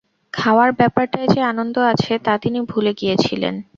খাওয়ার ব্যাপারটায় যে আনন্দ আছে তা তিনি ভুলে গিয়েছিলেন।